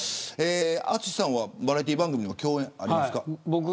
淳さんはバラエティー番組で共演ありますか。